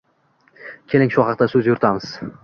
Keling, shu haqida so‘z yuritamiz.